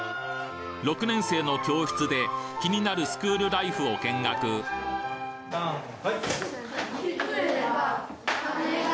６年生の教室で気になるスクールライフを見学さんはい。